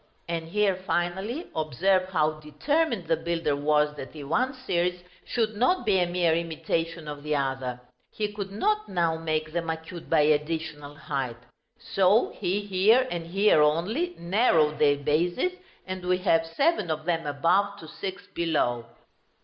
And here, finally, observe how determined the builder was that the one series should not be a mere imitation of the other; he could not now make them acute by additional height so he here, and here only, narrowed their bases, and we have seven of them above, to six below.